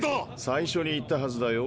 最初に言ったはずだよ。